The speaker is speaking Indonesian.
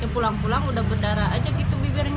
pulang pulang udah berdarah aja gitu bibirnya